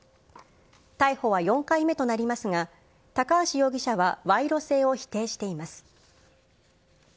逮捕は４回目となりますが、高橋容疑者は賄賂性を否定しています。